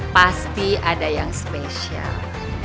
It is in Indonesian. pasti ada yang spesial